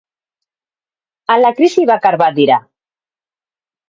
Ala krisi bakar bat dira?